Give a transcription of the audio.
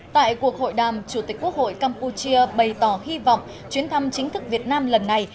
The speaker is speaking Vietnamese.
tại cuộc hội đàm chủ tịch quốc hội campuchia bày tỏ hy vọng chuyến thăm chính thức việt nam lần này